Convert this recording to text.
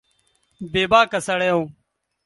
بې باکه سړی و